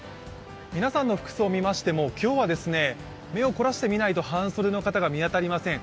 皆さんの服装を見ましてと、今日は目を凝らして見ないと半袖の方が見当たりません。